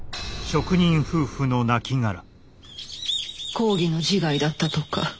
抗議の自害だったとか。